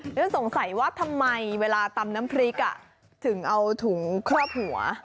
ฉันสงสัยว่าทำไมเวลาตำน้ำพริกถึงเอาถุงครอบหัว